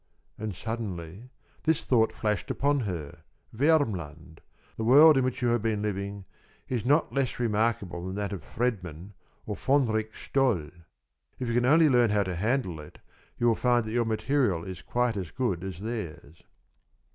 And suddenly this thought flashed upon her: Vermland, the world in which you have been living, is not less remarkable than that of Fredman or Fänrik Stål. If you can only learn how to handle it, you will find that your material is quite as good as theirs.